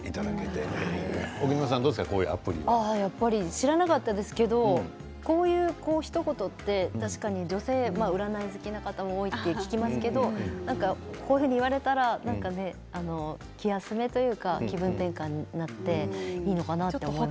知らなかったですけれどこういうひと言って女性は占い好きな方も多いと聞きますけれどもこういうふうにいわれたら気休めというか気分転換になっていいのかなと思います。